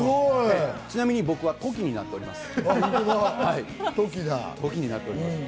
ちなみに僕はトキになっております。